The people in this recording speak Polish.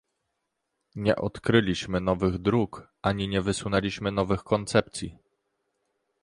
nie odkryliśmy nowych dróg ani nie wysunęliśmy nowych koncepcji